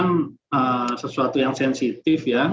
ini kan sesuatu yang sensitif ya